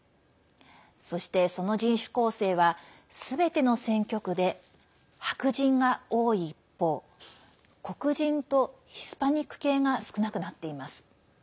そして、その人種構成はすべての選挙区で白人が多い一方黒人とヒスパニック系が少なくなっています。